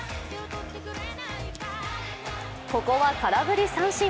ここは空振り三振。